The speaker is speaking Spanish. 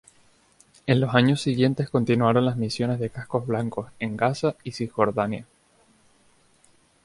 En los años siguientes continuaron las misiones de Cascos Blancos en Gaza y Cisjordania.